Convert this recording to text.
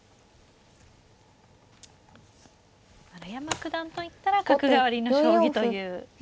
丸山九段といったら角換わりの将棋というイメージが。